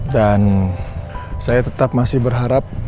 dan saya tetap masih berharap